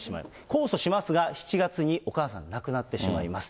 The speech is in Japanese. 控訴しますが、７月にお母さん、亡くなってしまいます。